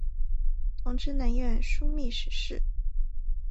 同知南院枢密使事。